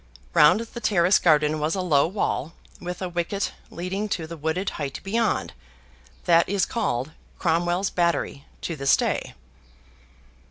Round the terrace garden was a low wall with a wicket leading to the wooded height beyond, that is called Cromwell's Battery to this day.